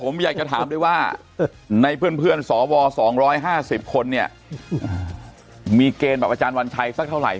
มีเกณฑ์แบบอาจารย์วันชัยสักเท่าไหร่